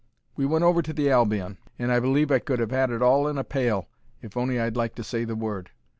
We went over to the Albion, and I believe I could have 'ad it in a pail if I'd on'y liked to say the word.